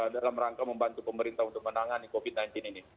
dalam rangka membantu pemerintah untuk menangani covid sembilan belas ini